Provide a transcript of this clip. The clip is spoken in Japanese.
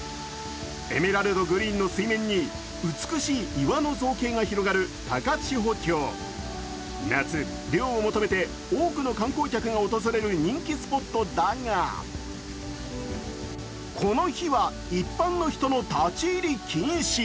エメラルドグリーンの水面に美しい岩の造形が広がる高千穂峡、夏、涼を求めて多くの観光客が訪れる人気スポットだが、この日は一般の人の立ち入り禁止。